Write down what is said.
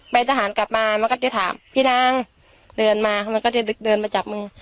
ทหารกลับมามันก็จะถามพี่นางเดินมามันก็จะเดินมาจับมือ